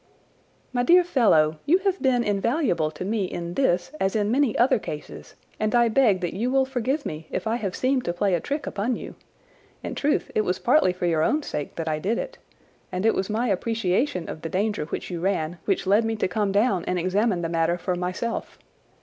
"My dear fellow, you have been invaluable to me in this as in many other cases, and I beg that you will forgive me if I have seemed to play a trick upon you. In truth, it was partly for your own sake that I did it, and it was my appreciation of the danger which you ran which led me to come down and examine the matter for myself.